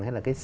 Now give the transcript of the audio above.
hay là cái xã